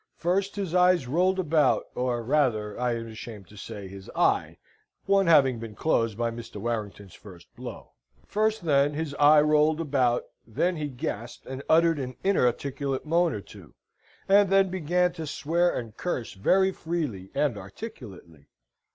First his eyes rolled about, or rather, I am ashamed to say, his eye, one having been closed by Mr. Warrington's first blow. First, then, his eye rolled about; then he gasped and uttered an inarticulate moan or two, then he began to swear and curse very freely and articulately.